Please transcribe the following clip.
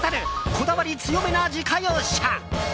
こだわり強めな自家用車。